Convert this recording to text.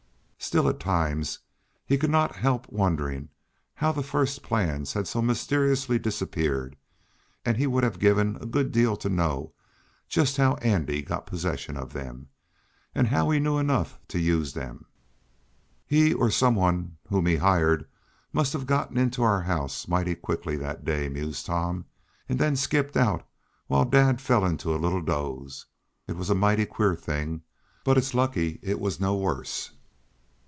Still, at times, he could not help wondering how the first plans had so mysteriously disappeared, and he would have given a good deal to know just how Andy got possession of them, and how he knew enough to use them. "He, or some one whom he hired, must have gotten into our house mighty quickly that day," mused Tom, "and then skipped out while dad fell into a little doze. It was a mighty queer thing, but it's lucky it was no worse."